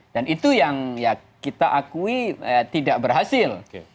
dan itu yang kita akui tidak berhasil